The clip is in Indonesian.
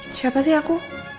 siapa sih aku